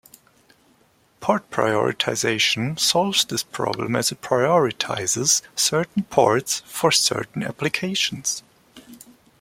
Port prioritization solves this problem as it prioritizes certain ports for certain applications.